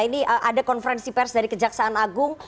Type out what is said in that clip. ini ada konferensi pers dari kejaksaan agung